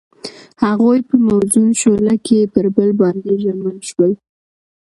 هغوی په موزون شعله کې پر بل باندې ژمن شول.